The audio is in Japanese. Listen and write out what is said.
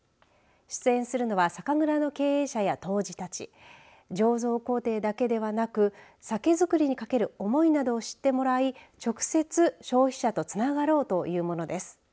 出演するのは酒蔵の経営者や杜氏たち醸造工程だけではなく酒造りにかける思いなどを知ってもらい直接消費者とつながろうというものです。